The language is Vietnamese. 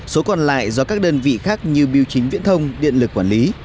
số còn lại do các đơn vị khác như biêu chính viễn thông điện lực quản lý